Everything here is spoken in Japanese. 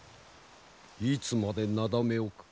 いつまでなだめ置く？